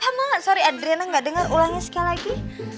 apa ma sorry adriana gak denger ulangnya sekali lagi